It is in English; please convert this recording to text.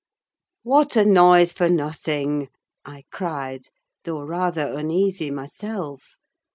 "What a noise for nothing!" I cried, though rather uneasy myself.